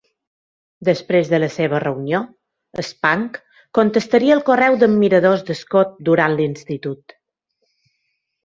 Després de la seva reunió, Spang contestaria el correu d'admiradors de Scott durant l'institut.